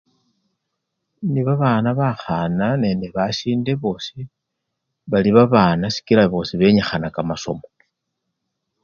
Indi babana bakhana nende basinde bosi bali babana sikila benyikhana kamasomo.